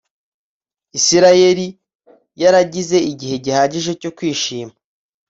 Isirayeli yaragize igihe gihagije cyo kwishima